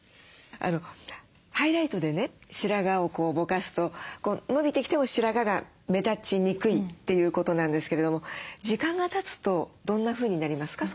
ハイライトでね白髪をぼかすと伸びてきても白髪が目立ちにくいということなんですけれども時間がたつとどんなふうになりますか？